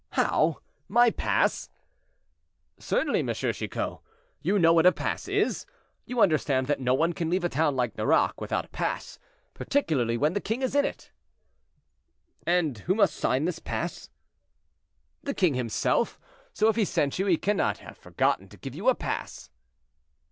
"How! my pass?" "Certainly, M. Chicot; you know what a pass is? You understand that no one can leave a town like Nerac without a pass, particularly when the king is in it." "And who must sign this pass?" "The king himself; so if he sent you he cannot have forgotten to give you a pass."